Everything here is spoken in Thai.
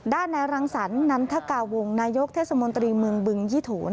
ด้านในรังสรรนันทกาวงนายกเทศมนตรีเมืองบึงยี่โถ